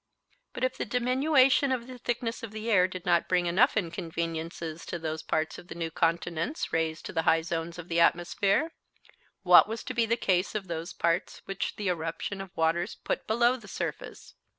But if the diminuation of the thickness of the air did not bring enough inconveniences to those parts of the new continents raised to the high zones of the atmosphere, what was to be the case of those parts which the erruption of waters put below the surface?